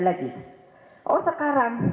lagi oh sekarang